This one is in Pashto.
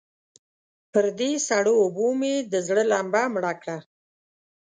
پر دې سړو اوبو مې د زړه لمبه مړه کړه.